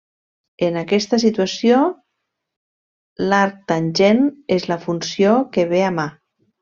En aquesta situació l'arctangent és la funció que bé a mà.